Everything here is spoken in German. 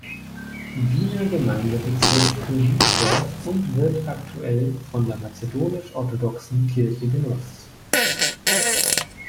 Wiener Gemeindebezirk Floridsdorf und wird aktuell von der mazedonisch-orthodoxen Kirche genutzt.